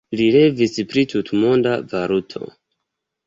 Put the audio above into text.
Li revis pri tutmonda valuto.